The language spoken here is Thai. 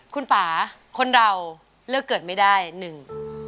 คุณป่าคนเราเลือกเกิดไม่ได้หนึ่ง